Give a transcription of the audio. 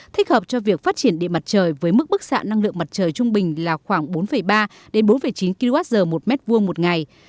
thích hợp cho việc phát triển điện mặt trời với mức bức xạ năng lượng mặt trời trung bình là khoảng bốn ba đến bốn chín kwh một m hai một ngày